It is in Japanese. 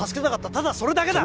ただそれだけだ！